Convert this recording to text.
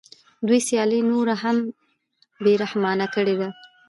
دوی سیالي نوره هم بې رحمانه کړې ده